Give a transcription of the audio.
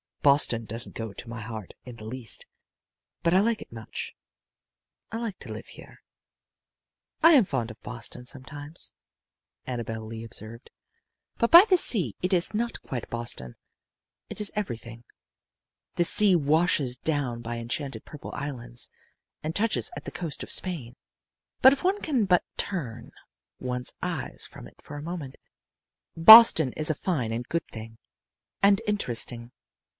Boston doesn't go to my heart in the least, but I like it much. I like to live here." "I am fond of Boston sometimes," Annabel Lee observed. "Here by the sea it is not quite Boston. It is everything. This sea washes down by enchanted purple islands and touches at the coast of Spain. But if one can but turn one's eyes from it for a moment, Boston is a fine and good thing, and interesting."